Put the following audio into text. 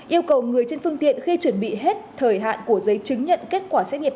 yêu cầu người trên phương tiện khi chuẩn bị hết thời hạn của giấy chứng nhận kết quả xét nghiệm